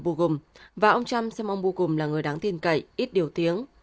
boogum và ông trump xem ông boogum là người đáng tin cậy ít điều tiếng